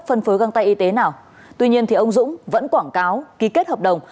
phân phối găng tay y tế nào tuy nhiên ông dũng vẫn quảng cáo ký kết hợp đồng